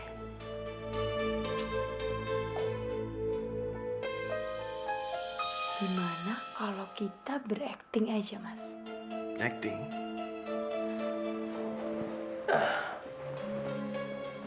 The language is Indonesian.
gimana kalau kita ber acting aja mas